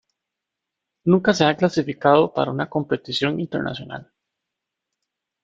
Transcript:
Nunca se ha clasificado para una competición internacional.